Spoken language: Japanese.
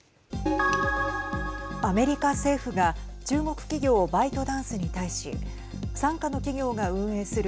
アメリカ政府が中国企業バイトダンスに対し傘下の企業が運営する